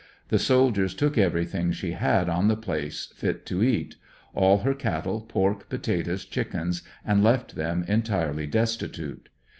The soldiers took everything she had on the place fit to eat ; all her cattle, pork, potatoes, chickens, and left them entirly destitute.